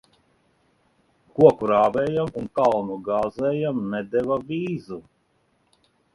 Koku rāvējam un kalnu gāzējam nedeva vīzu.